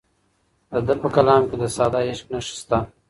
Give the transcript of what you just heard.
د ده په کلام کې د ساده عشق نښې شته.